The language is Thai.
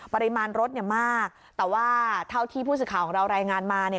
ปริมาณรถเนี่ยมากแต่ว่าเท่าที่ผู้สื่อข่าวของเรารายงานมาเนี่ย